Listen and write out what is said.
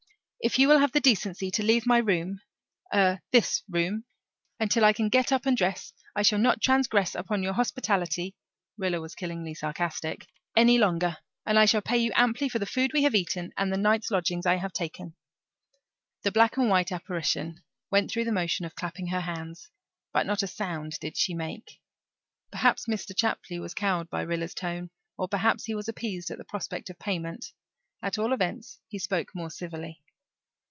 If you will have the decency to leave my room er this room until I can get up and dress I shall not transgress upon your hospitality" Rilla was killingly sarcastic "any longer. And I shall pay you amply for the food we have eaten and the night's lodging I have taken." The black and white apparition went through the motion of clapping her hands, but not a sound did she make. Perhaps Mr. Chapley was cowed by Rilla's tone or perhaps he was appeased at the prospect of payment; at all events, he spoke more civilly.